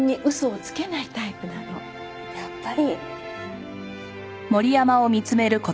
やっぱり。